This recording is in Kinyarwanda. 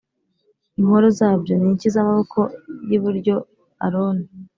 Inkoro zabyo n inshyi z amaboko y iburyo Aroni